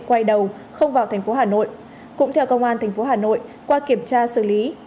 quay đầu không vào thành phố hà nội cũng theo công an tp hà nội qua kiểm tra xử lý